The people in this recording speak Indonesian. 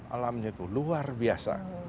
alamnya itu luar biasa